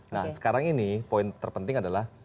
nah sekarang ini poin terpenting adalah